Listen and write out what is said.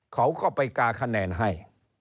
เขาก็ไปกาคะแนนให้